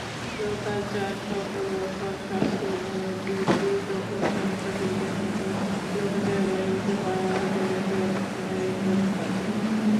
লোকাচারসকলও সৎশাস্ত্রবিগর্হিত ও সদাচারবিরোধী একমাত্র লোকাচারের বশবর্তী হওয়াই আর্যজাতির অধঃপতনের এক প্রধান কারণ।